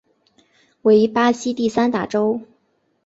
为巴西第三大州。